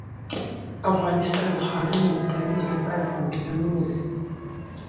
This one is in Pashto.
افغانستان د ښارونه د ترویج لپاره پروګرامونه لري.